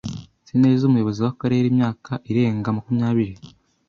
Nzi neza umuyobozi w'akarere imyaka irenga makumyabiri.